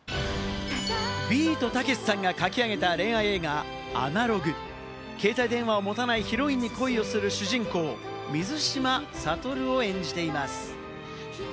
ビートたけしさんが書き上げた恋愛映画『アナログ』。携帯電話を持たないヒロインに恋をする主人公・水島悟を演じています。